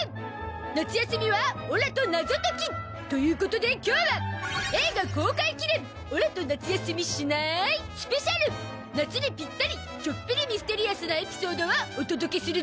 夏休みはオラと謎解き！ということで今日は映画公開記念夏にピッタリちょっぴりミステリアスなエピソードをお届けするゾ！